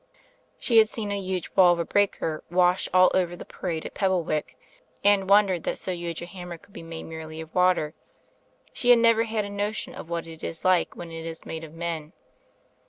She had seen a huge wall of a breaker wash all over the parade at Pebblewick; and wondered that so huge a hammer could 1^ made merely of water. She had never had a notion of what it is like when it is made of men.